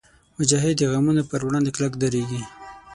مجاهد د غمونو پر وړاندې کلک درېږي.